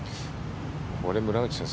これ、村口さん